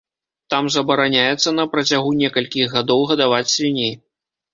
Там забараняецца на працягу некалькіх гадоў гадаваць свіней.